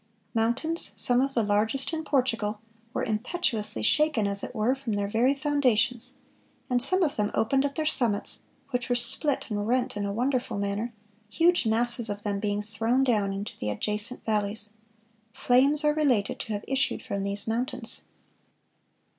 Mountains, "some of the largest in Portugal, were impetuously shaken, as it were, from their very foundations; and some of them opened at their summits, which were split and rent in a wonderful manner, huge masses of them being thrown down into the adjacent valleys. Flames are related to have issued from these mountains."